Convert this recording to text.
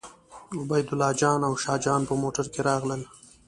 عبیدالله جان او شاه جان په موټر کې راغلل.